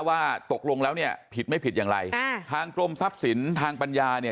ว่าตกลงแล้วเนี่ยผิดไม่ผิดอย่างไรอ่าทางกรมทรัพย์สินทางปัญญาเนี่ย